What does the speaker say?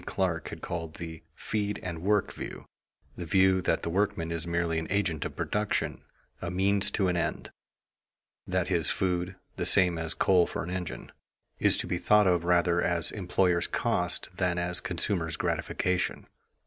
Clark has called the "feed and work" view, the view that the workman is merely an agent of production, a means to an end; that his food, the same as coal for an engine, is to be thought of rather as employer's cost than as consumer's gratification.